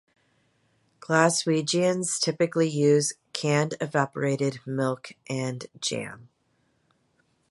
Glaswegians typically use canned evaporated milk and jam.